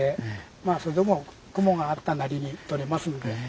まあそれでも雲があったなりに撮れますんで。